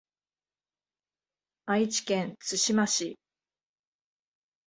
愛知県津島市